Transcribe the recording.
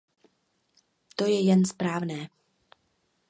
To je jen správné.